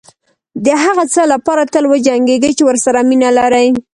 دهغه څه لپاره تل وجنګېږئ چې ورسره مینه لرئ.